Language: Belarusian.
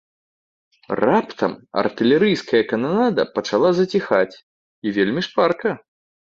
Раптам артылерыйская кананада пачала заціхаць, і вельмі шпарка.